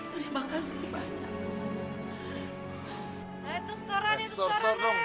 terima kasih banyak